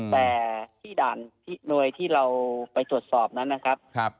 แต่ที่ด่านที่หน่วยที่เราไปตรวจสอบนั้นนะครับ